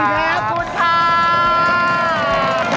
ขอบคุณค่ะ